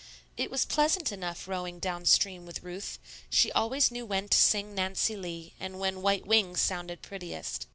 It was pleasant enough rowing down stream with Ruth; she always knew when to sing "Nancy Lee," and when "White Wings" sounded prettiest.